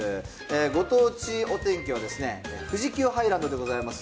ご当地お天気はですね、富士急ハイランドでございます。